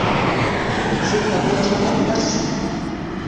C'est un bâtiment classé.